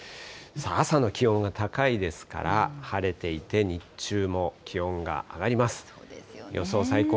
朝の気温が高いですから、晴れていて、日中も気温が上がります。